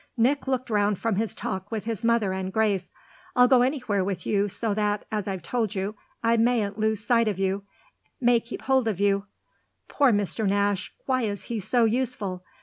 Nick looked round from his talk with his mother and Grace. "I'll go anywhere with you so that, as I've told you, I mayn't lose sight of you may keep hold of you." "Poor Mr. Nash, why is he so useful?"